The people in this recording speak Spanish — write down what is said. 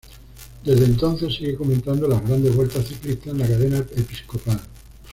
Desde entonces sigue comentando las grandes vueltas ciclistas en la cadena episcopal.